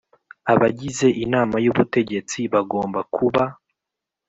Abagize inama y ubutegetsi bagomba kuba